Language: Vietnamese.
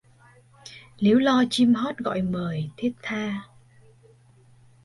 Líu lo chim hót gọi mời... thiết tha.